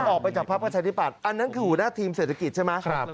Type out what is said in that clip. ออกไปจากพักประชาธิบัตย์อันนั้นคือหัวหน้าทีมเศรษฐกิจใช่ไหม